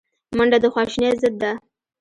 منډه د خواشینۍ ضد ده